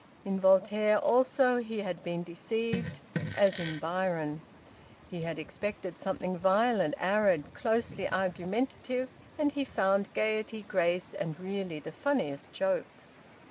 In Voltaire, also, he had been deceived, as in Byron. He had expected something violent, arid, closely argumentative; and he found gaiety, grace, and really the funniest jokes.